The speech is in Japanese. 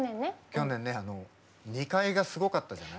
去年ね２階がすごかったじゃない。